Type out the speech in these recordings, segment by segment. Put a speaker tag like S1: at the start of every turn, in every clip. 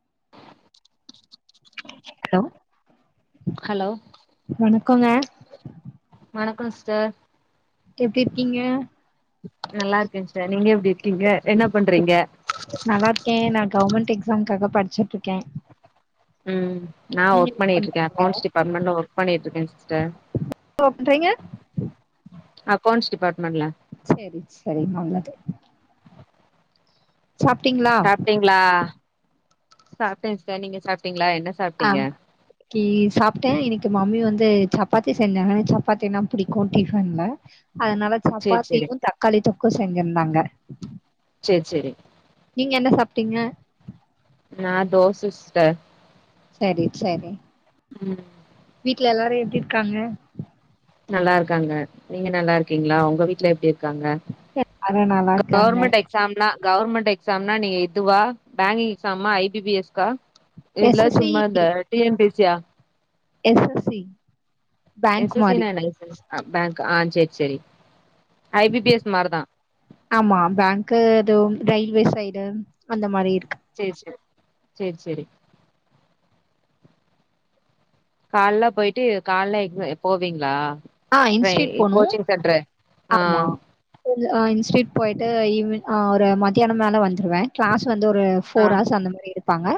S1: [unintelligible]
S2: Hello
S1: hello
S2: வணக்கங்க
S1: வணக்கம் sister
S2: எப்படி இருக்கீங்க
S1: நல்லா இருக்கேன் சிஸ்டர் நீங்க எப்படி இரு ங்க என்ன பண்றீங்க
S2: கவர்மெண்டட் எக்ஸாம்காக படிச்சி ட்டு இருக்கேன்
S1: உம் நா ஒர்க் பண்ணிட்டு இருக்கேன் அக்கௌன்ஸ் டிபார்ட்மெண்ட்ல ஒர்க் பண்ணட்டு இருக்கேன் சிஸ்டர்
S2: ஒர்க் பண்றீங்க
S1: அக்கௌன்ஸ் டிபார்ட்மெண்ட்ல
S2: சேரி சேரி நல்லது சாப்ட்டீங்களா
S1: சாப்பிட்டீங்களா சாப்பிட்டேன் சிஸ்டர் நீங்க சாப்பிட்டீங்களா என்ன சாப்ட்டீங்க
S2: ஆஹ் சாப்பிட்டேன் இன்னைக்கு மம்மி வந்து சப்பாத்தி செஞ்சாங்கன்னு சப்பாத்தி நா பிடிக்கோ டிபன்ல அதனால
S1: சேரி சேரி
S2: சப்பாத்தியும் தக்காளி தொக்கும் செஞ்ஜி இருந்தாங்க நாங்க
S1: சேரி சேரி
S2: நீங்க என்ன சாப்பிட்டீங்க
S1: நா தோசை சிஸ்டர்
S2: சேரி சேரி
S1: உம்
S2: வீட்டு்ல எல்லாரும் எப்டிருக்காங்க
S1: நல்லா இருக்காங்க நீங்க நல்லா இருக்கீங்களா உங்க வீட்டுல எப்டி க்காங்க
S2: எல்லாரு நல்லா இருக்காங்க
S1: கவர்மெண்ட் எக்ஸாம்லா கவர்மெண்டட் எக்ஸாம்னா நீங்க எதுவா பேங்க் எக்ஸாம் ஐபிபிஎஸ்கா
S2: எஸ்
S1: எல்லா
S2: எஸ்
S1: சும்மால்ல அந்த டிஎம் பிசியா
S2: எஸ்எஸ்சி
S1: எஸ்எஸ்சி னா என்னக சார் பேங்க் ஆ சேரி சேரி ஐ பி பி எஸ் மாரிதா
S2: ஆமா பேங்க் எதுவும் ரயில்வே சைடு அந்த மாரி இருக்கு
S1: சேரி சேரி சேரி சேரி கால்ல போயிட்டு கால எ போவீங்களா
S2: ஆஹ்
S1: ட்ரை
S2: இன்ஸ்ட் போனோ
S1: கோச்சிங் சென்ட்ரு ஆ
S2: ஆமா அஹ இன்ஸ்ட் போயிட்டு ஈவ் ஒரு மத்தியான மேல வந்துருவேன் கிளாஸ் வந்து ஒரு
S1: ஆ
S2: ஃபோர் ஆர்ஸ் அந்த மாரி இருக்கு இருப்பாங்க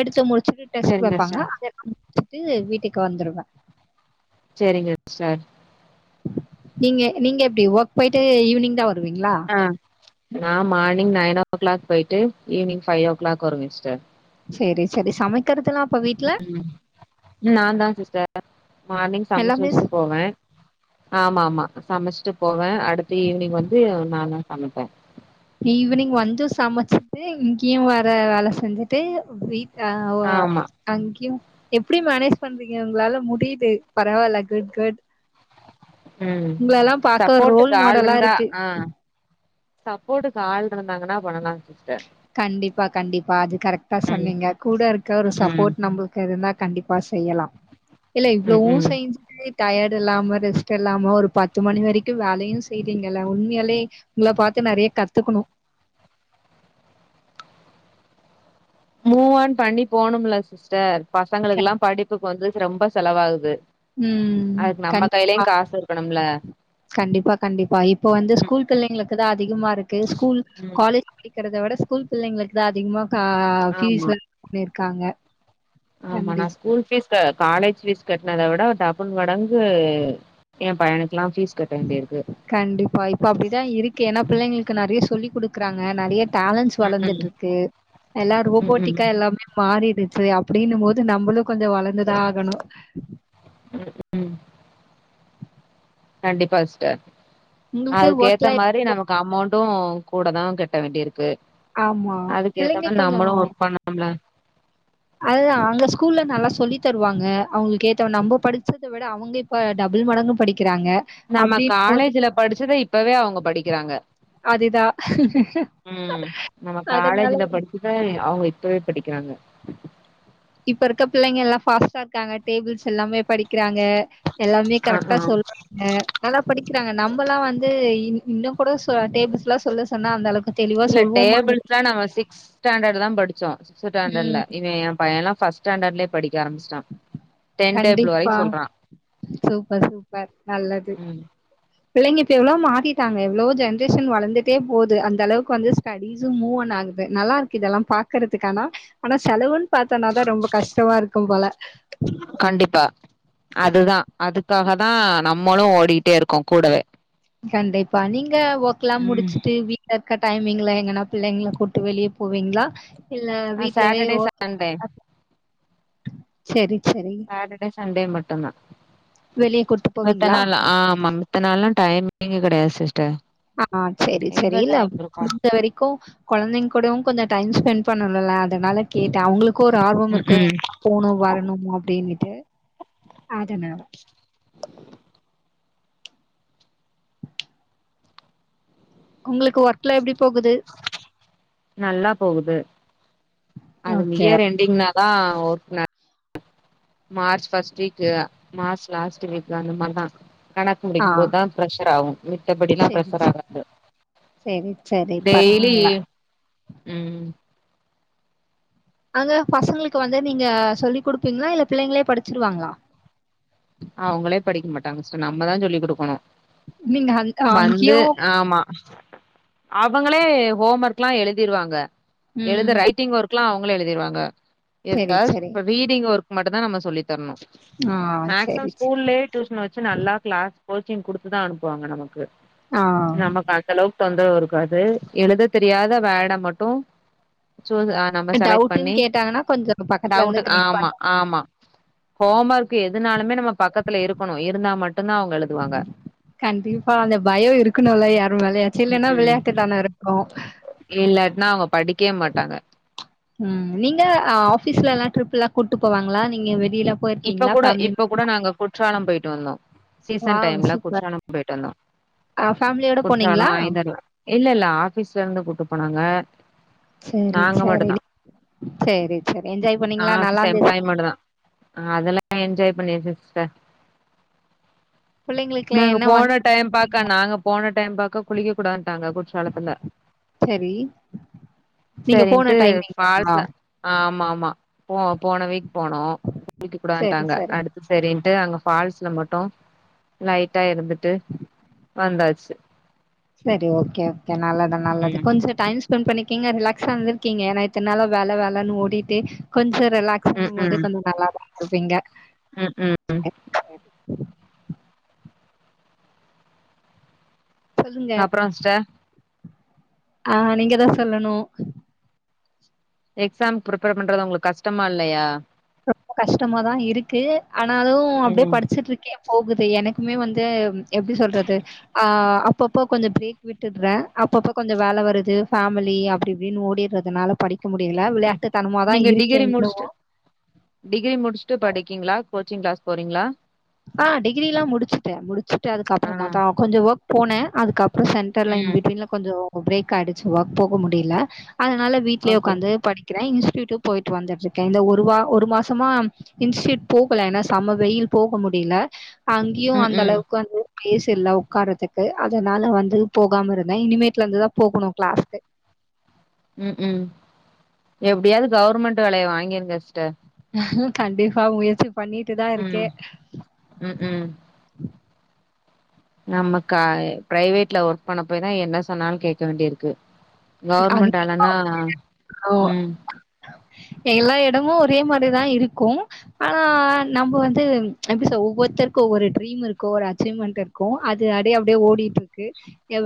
S2: எடுத்து முழுத்து டெஸ்
S1: சேரிங்க
S2: வைப்பாங்க
S1: சிஸ்டர்
S2: அத விட்டு வீட்டுக்கு வந்துருவேன்
S1: சேரிங்க சார்
S2: நீங்க நீங்க எப்படி ஒர்க் போயிட்டு ஈவினிங் தான்
S1: ஆஹ் நான் மார்னிங் நாயனோ சவனே க்ளாக் போயிட்டு ஈவினிங் பைஃ ஓ க்ளாக் வருவ
S2: சேரி சேரி சமைக்கிறது லா
S1: நான் தான் சிஸ்டர் மார்னிங் சமைச்சு
S2: எல்லாமே
S1: வச்சுட்டு போவேன் ஆமா ஆமா சமைச்சிட்டு போவேன் அடுத்த ஈவினிங் வந்து நான் ஆமா ட
S2: ஈவினிங் வந்து சமைச்சிட்டு இங்கயும் வேற வேலை செஞ்சுட்டு ஆஹ
S1: ஆமா
S2: அங்கயும் எப்படி மேனேஜ் பண்றீங்க உங்களால முடியுது பரவாயில்ல குட் குட்
S1: ம்
S2: உங்க எல்லாம் பார்க்க
S1: சப்போட்டுக்கு
S2: ரோல் மாடலா இருக்கு
S1: சப்போர்டுக்கு ஆள் இருந்தாங்கன்னா பண்ணலாம்
S2: கண்டிப்பா கண்டிப்பா அது கரெக்டா
S1: ம்
S2: சொன்னீங்க கூட இருக்க ஒரு
S1: ம்
S2: சப்போர்ட் நம்பளுக்கு இருந்தா கண்டிப்பா செய்யலாம் இல்ல
S1: ம்
S2: இவ்வளவும்
S1: ம்
S2: செஞ்சுட்டு டையர்டு இல்லாம ரெஸ்ட் இல்லாம ஒரு பத்து மணி வரைக்கும் வேலையும் செய்றீங்கல்ல உண்மையில உங்களை பார்த்து நிறைய கத்துக்கணும்
S1: மூவான் பண்ணி போனும்ல சிஸ்டர் பசங்களுக்குல்லாம் படிப்புக்கு வந்து ரொம்ப செலவாகுது
S2: உம்
S1: அதுக்கு நம்ம கையிலயு
S2: கண்டிப்பா
S1: காசு இருக்கணும்ல
S2: கண்டிப்பா கண்டிப்பா இப்ப வந்து
S1: ம்
S2: ஸ்கூல் பிள்ளைங்களுக்கு தான் அதிகமா இருக்கு ஸ்கூல்
S1: ம்
S2: காலேஜ் படிக்கிறத விட ஸ்கூல் பிள்ளைங்களுக்கு தான் அதிகமா ஆஹ் பீஸ்
S1: ஆமா
S2: வந்து இருக்காங்க
S1: ஆமா நான் ஸ்கூல் பீஸ் காலேஜ் பீஸ் கட்டினத விட டபுள் மடங்கு என் பையணுக்கு
S2: கண்டிப்பா இப்ப அப்படிதான் இருக்கு ஏன்னா பிள்ளைங்களுக்கு நிறைய சொல்லிக்குடுக் இருக்கறாங்க நிறைய டேலன்ஸ்
S1: ம்
S2: வளர்ந்துட்டு இருக்கு எல்லாமே
S1: ம் ம்
S2: ரோபோட்டிக்கா எல்லாமே மாறிடுச்சு அப்படின்னும் போது நம்மளும் கொஞ்ச வளர்ந்துதா ஆகணும்
S1: உம் உம் கண்டிப்பா சிஸ்டர்
S2: உங்களுக்கு
S1: அதுக்கு
S2: ஒர்க்
S1: ஏத்த
S2: லைஃப்
S1: மாரி நமக்கு அமௌண்ட் க்கு கூட தான் கட்ட வேண்டிய இருக்கு
S2: ஆமா.
S1: அதுக்கு ஏத்த
S2: பிள்ளைங்க
S1: மாரி நம்மளும் ஒர்க் பண்ணணுமுல்ல
S2: அதான் அங்க ஸ்கூல்ல நல்லா சொல்லி தருவாங்க அவங்களுக்கு கேத்த நம்ப படிச்சத விட அவங்க இப்ப டபுள் மடங்கு படி
S1: நம்ம காலேஜல படிச்சத இப்பவே அவங்க படிக்கிறாங்க
S2: அதுதான்.
S1: உம் நம்ம
S2: அதனால
S1: காலேஜ்ல படிச்சுதா அவங்க இப்பவே படிக்கிறாங்க
S2: இப்ப இருக்க பிள்ளைங்க எல்லாம் பாஸ்டா இருக்காங்க டேபிள்ஸ் எல்லாமே படிக் கிறாங்க எல்லாமே
S1: ஆ ஆ
S2: கரெக்டா சொல்றாங்க நல்லா படிக்கிறாங்க நம்மல்லாம் வந்து இன்னும் கூட டேபிள்ஸ்ல்லாம் சொல்ல சொன்ன அந்த அளவுக்கு தெளிவா
S1: இல்ல
S2: சொல்வோமா
S1: டேபிள்ஸ்லா நாங்க சிக்ஸ் சிக்ஸ்த் ஸ்டாண்டர்ட்ல
S2: ம்
S1: படிச்சோம் என் பையன் எல்லாம் ஃபர்ஸ்ட் ஸ்டாண்டர்டிலேயே படிக்க ஆரம்பிச்சுட்டான்
S2: கண்டிப்பா சூப்பர் சூப்பர் நல்லது
S1: ம்
S2: பிள்ளைங்க இப்ப எவ்வளவு மாட்டிட்டாங்க எவ்வளோ ஜென்ரேஷன் வளர்ந்துட்டே போது அந்த அளவுக்கு வந்து ஸ்டடிஸ் மூவ் ஆகுது நல்லா இருக்கு இதெல்லாம் பாக்குறதுக்கானா ஆனா செலவுன்னு பார்த்தோம்தான் ரொம்ப கஷ்டமா இருக்கும் போல
S1: கண்டிப்பா அதுதான் அது அதுக்காக தான் நம்மளும் ஓடிட்டே இருக்கோம் கூடவே
S2: கண்டிப்பா நீங்க நீங்க ஒர்க் எல்லாம்
S1: ம்
S2: முடிச்சுட்டு வீட்ட இருக்க டைமிங்ல எங்கனா பிள்ளைங்கள கூட்டு வெளியே போவீங்களா இல்ல
S1: ஆ
S2: வீட்டுல
S1: சாட்டர்டே
S2: ஒர்க்
S1: சண்டே
S2: சே ரி சேரி
S1: ட்டும்தா
S2: வெளியே கூட்டு போவீங்களா
S1: மத்த நாளல்லா டைமே [unintelligible] கெடையாது சிஸ்டர்
S2: ஆஹ் செரி செரி
S1: எங்க
S2: இல்ல
S1: டைம் இருக்கு
S2: முடிஞ்ச வரைக்கு கொழந்தைங்க கூடயு கொஞ்ச டைம் ஸ்பெண்ட் பண்ணணுல்ல அதனால கேட்டே அவங்களு க்கு ஒரு ஆர்வம்
S1: ம்
S2: இருக்கும்
S1: ம்
S2: எங்கயாது போகணு வரணு அப்டின்னு ட்டு அதனா உங்களுக்கு ஒர்க்லா எப்டி போகுது
S1: நல்லா போகுது அது
S2: ஓகே.
S1: இயர் என்டிங்னா தா ஒர்க் ந March first week March last வீக்ல அந்த மாரிதா கணக்கு
S2: ஆ
S1: முடிக்கும்போதுதா பிரெஷர் ஆகு மித்தபடிலா
S2: சரி,
S1: பிரெஷர்
S2: சரி.
S1: ஆகாது
S2: சரி, சரி.
S1: டெய்லி
S2: பரவால்ல.
S1: உம்
S2: அங்க பசங்களுக்கு வந்து நீங்க சொல்லி் குடுப்பீங்களா இல்ல பிள்ளைங்களே படிச்சிருவாங்களா
S1: அவுங்களே படிக்க மாட்டாங்க சோ நம்மதா சொல்லி்க் குடுக்கணு
S2: நீங்க அங்
S1: வந்து
S2: அங்கியு
S1: ஆமா அவங்களே ஹோம் ஒர்க்லா எழுதிருவாங்க எழுத
S2: ம்
S1: ரைட்டிங் ஒர் க்லா அவங்களே எழுதிருவாங்க
S2: செரி
S1: எதாச்
S2: செரி
S1: இப்ப ரீடிங் ஒர்க் மட்டு்ந்தா நம்ம சொல்லி தரணு
S2: ஆ
S1: மேக் சிமம்
S2: செரி செரி
S1: ஸ்கூல்லயே டியூசன் வச்சு நல்லா கிளாஸ் கோச்சிங் குடுத்துதா அனுப்புவாங்க நமக்கு
S2: ஆ
S1: நமக்கு அந்தளவு தொந்தரவு இருக்காது எழுதத் தெரியாத வேட மட்டு சூஸ் ஆ நம்ம செலக்ட்
S2: டவுட்ன்னு
S1: பண்ணி
S2: கேட்டாங்கன்னா கொஞ்சம் பக்கத்துல இருந்து
S1: டவுட்
S2: கைட்
S1: ஆமா
S2: பண்ண
S1: ஆமா ஹோம் ஒர்க் கு எதுனாலுமே நம் ம பக்கத்துல இருக்கணு இருந்தா மட்
S2: கண்டிப்பா அந்த பயம் இருக்கணும்ல்ல யாரும் யார்மேலயாச்சும் விளையாட்டுலான ஓ
S1: இல்லட் ந வங்க படிக்கவே மாட்டாங்க
S2: ம் நீங்க ஆஃபீஸ்ல எல்லாம் ட்ரிப் எல்லாம் கூட்டு போவாங்களா நீங்க வெளியில
S1: இப்ப
S2: போயிருக்கீங்களா
S1: கூட
S2: ஃபேமிலி
S1: இப்ப கூட நாங்க குற்றாலம் போயிட்டு வந்தோம் சீசன்
S2: வாவ்
S1: டைம்ல
S2: சூப்பர்
S1: குற்றாலம் போயிட்டு வந்தோம்
S2: ஆ ஃபேமிலியோட போனீங்களா
S1: குற்றாலம் ஆயந்த இல்ல இல்ல ஆபிஸ்ல இருந்து கூட்டு போனாங்க
S2: சேரி
S1: நாங்க
S2: சேரி
S1: மட்டுந்தா
S2: சேரி சேரி என்ஜாய் பண்ணீங்களா நல்லாந்துச்ச
S1: அததெல்லாம் என்ஜாய் பண்ணியாச்சு சிஸ்டர்
S2: பிள்ளைங்களுக்குல்லா
S1: நாங்க
S2: என்ன
S1: போன டைம்
S2: வாங்கி
S1: பார்க்க நாங்க போன டைம் பார்க்க குளிக்க கூடட்டாங்க குற்றாலத்துல
S2: செரி நீங்க போன
S1: சரின்ட்டு
S2: டைமிங்கா
S1: ஃபால்ஸ் ஆமா ஆமா போ போன வீக் போனோம் குளிக்க
S2: செரி
S1: கூடட்டாங்க
S2: செரி
S1: அடுத்து சேரின்டு அங்க பால்ஸ்ல மட்டும் லைட்டா இருந்து ட்டு வந்தாச்சு
S2: சேரி ஓகே ஓகே நல்லது நல்லது
S1: ம்
S2: கொஞ்சம் டைம்ஸ் பண்ணிக்கங்க ரிலாக்ஸா வந்திருக்கீங்க ஏன்னா எத்தனால வேலை வேலைனு ஓட்டு கொஞ்சம் ரிலாக்ஸ்
S1: ம்
S2: பண்ணும் போது
S1: ம்
S2: கொஞ்சம் நல்லாதான் இருப்பீங்க
S1: ம் ம் அப்புறம் சிஸ்டர்
S2: ஆஹ் நீங்க தான் சொல்லணும்
S1: எக்ஸாம் ப்ரிப்பேர் பண்றது உங்களுக்கு கஷ்டமா இல்லையா
S2: ரொம்ப கஷ்டமாதான் இருக்கு ஆனாலும் அப்படியே
S1: ம்
S2: படிச்சுட்டு இருக்கே போகுது எனக்குமே வந்து எப்படி சொல்றது ஆஹ் அப்பப்போ கொஞ்சம் பிரேக் விட்டுறேன் அப்பப்போ கொஞ்சம் வேலை வருதுஃபேமிலி அப்படி இப்படின்னு ஓடிடுறதுனால படிக்க முடியலை விளையா தனம தான்
S1: நீங்க
S2: இருக்கேன்
S1: டிகிரி முடிச்சுட்டு
S2: இன்னமும்
S1: டிகிரி முடிச்சுட்டு படிக்கீங்களா கோச்சிங் கிளாஸ் போறீங்களா
S2: ஆஹ் டிகிரி எல்லாம் முடிச்சுட்டேன் முடிச்சுட்டு அதுக்க
S1: ஆ
S2: அப்புறமா தான் கொஞ்சம் ஒர்க் போனேன் அதுக்குப் அப்புறம் சென்டர்ல இன்
S1: ம்
S2: பிட்வீல கொஞ்சம் பிரேக் ஆகிடுக போக முடியும் அப்படில அதனால வீட்லயே
S1: ஓகே
S2: உக்காந்து படிக்குகறேன் இங்க விட்டு போயிட்டு வந்து இருக்க ஒரு மாசமா இன்ஸ்டூட் போகலன்னா சம வெயில் போக முடியு முடியல அங்கேயும்
S1: ம்
S2: அந்த
S1: ம்
S2: அளவுக்கு வந்து பேஸ் இல்ல உட்காரத்துக்கு அதனால வந்து போகாம இருந்தேன் இனிமேட்ல இருந்துதான் போகணும் கிளாஸ்க்கு
S1: உம் உம் எப்படியாவது கவுர்மெண்ட் வேலையை வாங்கியிருங்க
S2: [inaudible] கண்டிப்பா முயற்சி பண்ணிட்டுதான்
S1: ம்
S2: இருக்கேன்
S1: ம் நம்மக்க பிரைவேட்ல ஒர்க் பண்ண போய் தான் என்ன சொன்னாலும் கேட்க வேண்டிய இருக்கு
S2: அங்கேயும்
S1: கவர்மெண்ட்லனா ம்
S2: எல்லா இடமும் ஒரே மாரிதான் இருக்கும் ஆனா நம்ம வந்துஎப்படி சொல்றது ஒவ்வொருத்தருக்கும் ஒவ்வொரு ட்ரீம் இருக்கும் ஒரு அச்சீவ்மெண்ட் இருக்கும் அது அடியே அப்டியே ஓடிட்டு இருக்கு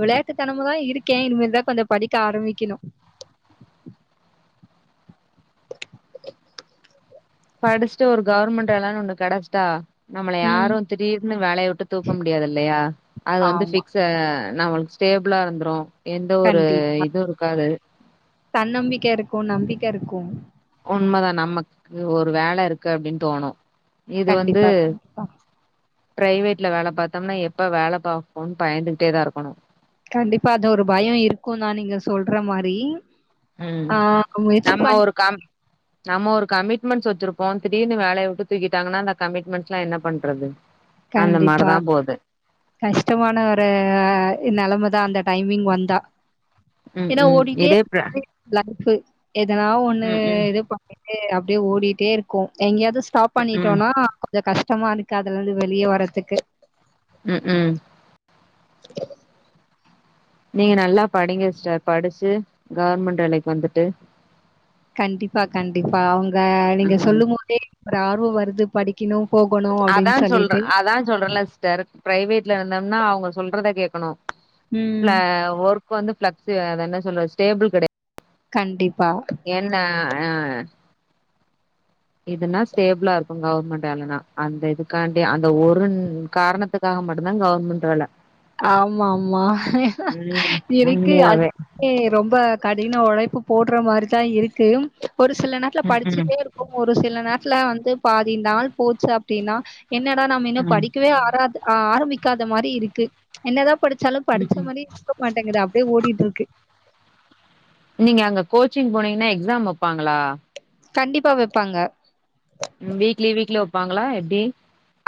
S2: விளையாட்டு தனமதான் இருக்கேன் இனிமிரிதான் கொஞ்சம் படிக்க ஆரம்பிக்கணும்
S1: படிச்சுட்டு ஒரு கவர்மெண்ட் வேலைாம்ன்னனு ஒண்ணு கெடைச்சிட்டா நம்மள
S2: உம்
S1: யாரும் திடீர்னு வேலய விட்டு தூக்க முடியாது இல்லயா அது வந்து
S2: ஆமா
S1: பிக்ஸ் ந அவளுக்கு ஸ்டேபிளா இருந்தரும் எந்த ஒரு இதுவும் இருக்காது
S2: தன்னம்பிக்க இருக்கோம் நம்பிக்க இருக்கோம்
S1: உண்மதா நமக்கு ஒரு வேல இருக்கு அப்டின் தோனோம்
S2: கண்டிப்பாக கண்டிப்பா
S1: பிரைவேட்ல வேல பாத்தோம்னாம் எப்ப வேல பாப்போன் பயந்துகிட்டே தா இருக்கனோம்
S2: கண்டிப்பா அது ஒரு பயம் இருக்கோம் தான் நீங்க சொல்றா மாரி
S1: உம் நம்ம ஒரு கம் நம்ம ஒரு கமிட்மெண்ட்ஸ் வச்சிருப்போம் தீடீர்னு வேலய விட்டு தூக்கிட்டாங்கனா அந்த கமிட்மெண்ட்ஸ்லா என்ன பண்றது அந்த
S2: கண்டிப்பா
S1: மாரிதா போது
S2: கஷ்டமான ஒரு நெலமதா அந்த டைமிங் வந்தா
S1: ம்
S2: ஏனா
S1: ம்
S2: ஓடிட்டே
S1: இதே ப்ர
S2: [unintelligible] லைஃபு எதனா ஒண்ணு
S1: ம் ம்
S2: இது பன் [unintelligible] அப்டியே ஓடிட்டே இருக்கோம் எங்கேயாவது ஸ்டாப்
S1: ம்
S2: பண்ணிடோனா கொஞ்ச கஷ்ட டமா இருக்காதுல வெளியே வரறதுக்கு
S1: ம் ம்
S2: [inaudible]
S1: நீங்க நல்லா படிங்க சிஸ்டர் படிச்சு கவர்மெண்ட் வேலக்கு வந்துட்டு
S2: கண்டிப்பா கண்டிப்பா அவங்க நீங்க
S1: ம்
S2: சொல்லும் போதே ஒரு ஆர்வம் வருது படி கணும்
S1: அதா சொல்ற அதா சொல்றல சிஸ்டர் பிரைவேட்ல இருந்தோம்னாம் அவங்க சொல்றத கேக் ஆணோ
S2: ம்
S1: [unintelligible] வந்து பிளெக்சு அத என்ன சொல்றது ஸ்டேபில் கெட
S2: கண்டிப்
S1: என்ன ஆஹ் இதுனா ஸ்டேபிளா இருக்கோம் கவர்மெண்ட் வேலனா அந்த இதுக்கா அந்த ஒரு ன் காரணத்துக் க்காக மட்டும்தா கவர்மெண்ட் வேல
S2: ஆமா ஆமா ஏனா
S1: ம்
S2: எனக்கே
S1: உண்மையாவே
S2: ரொம்ப கடின உழைப்பு போட்றா மாரிதா இருக்கு ஒரு சில நேரத்துல
S1: ம் ம்
S2: படிச்சிட்டே இருக்போ ஒரு சில நேரத்துல வந்து பாதி நாள் போச்சு அப்டினா என்னடா நம்ம இன்னோ
S1: ம்
S2: படிக்கவே ஆற ஆஹ் ஆரம்பிக்காத மாரி இருக்கு என்னதான் படிச்சாலு
S1: ம்
S2: படிச்ச
S1: ம்
S2: மாரி இருக்க மாட்டேங்குது அப்டியே ஓடிட்யிருக்கு
S1: நீங்க அங்க கோச்சிங் போனீங்கன்னா எக்ஸாம் வப்பாங்களா
S2: கண்டிப்பா வைப்பாங்க
S1: வீக்லி வீக்லி வப்பாங்களா எப்டி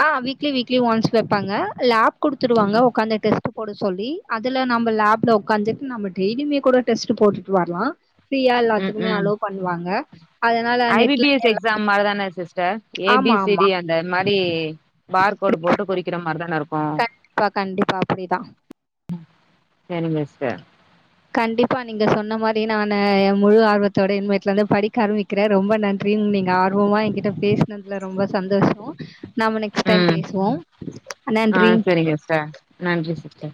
S2: ஆ வீக்லி வீக்லி ஒன்ஸ் வெப்பாங்க லேப் கொடுத்துருவங்க
S1: ம்
S2: உட்காந்து டெஸ்ட் போட சொல்லி அதுல நம்ப லேப்ல உட்காந்துட்டு நம டெய்லுமே கூட டெஸ்ட் போட்டுட்டு வரலா ஃபிரியா
S1: ம்
S2: எல்லாத்துக்குமே
S1: ம்
S2: அலோவ் பண்ணுவாங்க அதனால
S1: ஐ பி
S2: நெட்ல
S1: பி எஸ் எக்ஸாம் மாரி தான சிஸ்ட டர் ஏ பி
S2: ஆமா
S1: சி
S2: ஆமா
S1: டி அந்த மாரி பார்கோடு போட்டு குறிக்கிற மாரிதான இருக்கும்
S2: கண்டிப்பா, கண்டிப்பா. அப்படிதான்.
S1: சேரிங்க சிஸ்டர்
S2: கண்டிப்பா நீங்க சொன்ன மாரி நானு என் முழு ஆர்வத்தோட இன்மேட்ல இருந்து படிக்க ஆரம்பிக்கிறே ரொம்ப நன்றின்னு நீங்க ஆர்வமா என்கிட்ட பேசினதுல ரொம்ப சந்தோஷோ நாம நெக்ஸ்ட் டைம்
S1: ம்
S2: பேசுவோம்
S1: ஆ
S2: நன்றி
S1: சரிங்க சிஸ்டர் நன்றி சிஸ்டர்